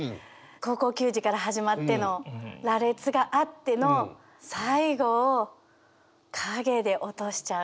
高校球児から始まっての羅列があっての最後を「影」で落としちゃうっていうところが。